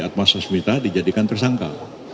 atmas susmita dijadikan tersangka